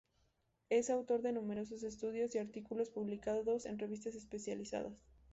Es autor de numerosos estudios y artículos, publicados en revistas especializadas.